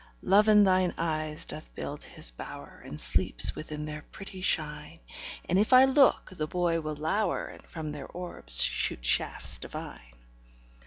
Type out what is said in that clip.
Love in thine eyes doth build his bower, And sleeps within their pretty shine; And if I look, the boy will lower, And from their orbs shoot shafts divine.